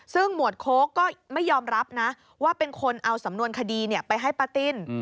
ซึ่งหมวดโค้กก็ไม่ยอมรับนะว่าเป็นคนเอาสำนวนคดีไปให้ป้าติ้น